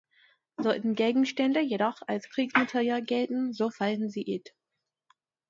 Sollten Gegenstände jedoch als Kriegsmaterial gelten, so fallen sie lt.